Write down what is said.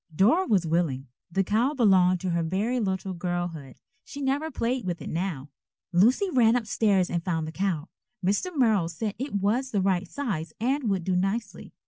Dora was willing. The cow belonged to her very little girlhood. She never played with it now. Lucy ran up stairs and found the cow. Mr. Merrill said it was the right size and would do nicely.